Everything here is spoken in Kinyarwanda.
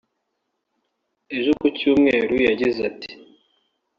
Ejo ku cyumweru yagize ati